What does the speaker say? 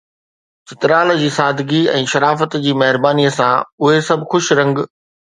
چترال جي سادگي ۽ شرافت جي مهربانيءَ سان اهي سڀ خوش رنگ